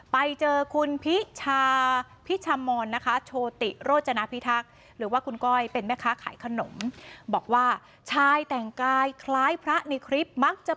ไปเจอคุณพิชามอนโชติโรจนาพิทักษ์